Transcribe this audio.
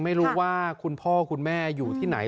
ไม่รู้ว่าคุณพ่อคุณแม่อยู่ที่ไหน